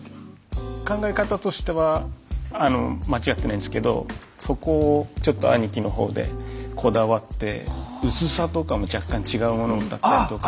考え方としては間違ってないんですけどそこをちょっと兄貴の方でこだわって薄さとかも若干違うものだったりとか。